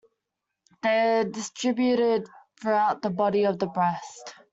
They are distributed throughout the body of the breast.